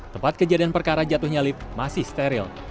tempat kejadian perkara jatuhnya lift masih steril